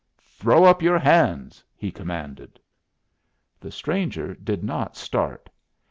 "Throw up your hands!" he commanded. The stranger did not start.